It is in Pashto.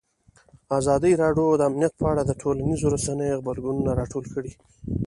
ازادي راډیو د امنیت په اړه د ټولنیزو رسنیو غبرګونونه راټول کړي.